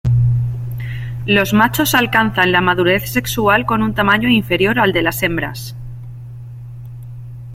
Los machos alcanzan la madurez sexual con un tamaño inferior al de las hembras.